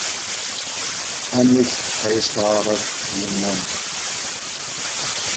Amek ay as-teɣɣared i yemma-m?